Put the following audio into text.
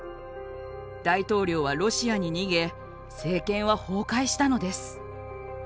大統領はロシアに逃げ政権は崩壊したのです。